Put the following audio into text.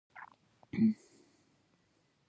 د دغې افغاني جولې ترسیم د شپون نبوغ دی.